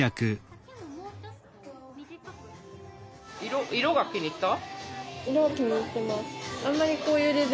色が気に入った？